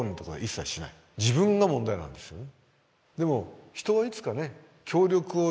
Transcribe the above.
自分が問題なんですよね。